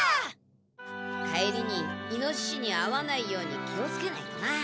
帰りにイノシシに会わないように気をつけないとな。